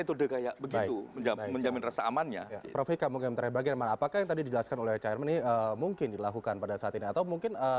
terima kasih cah anam